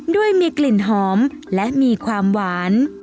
ด้วยมีกลิ่นหอมและมีความหวาน